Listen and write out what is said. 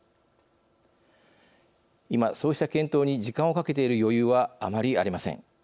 今そうした検討に時間をかけている余裕はあまりありません。